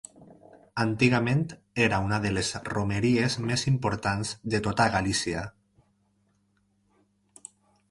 Antigament era una de les romeries més importants de tota Galícia.